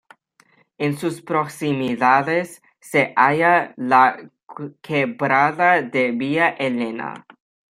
En sus proximidades se halla la Quebrada de Villa Elena.